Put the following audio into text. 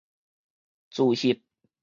自翕